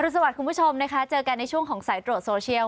สวัสดีคุณผู้ชมนะคะเจอกันในช่วงของสายตรวจโซเชียล